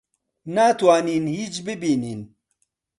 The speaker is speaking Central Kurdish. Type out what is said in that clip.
ناتوانین هیچ ببینین.